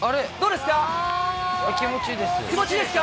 気持ちいいです。